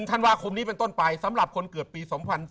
ธันวาคมนี้เป็นต้นไปสำหรับคนเกิดปี๒๔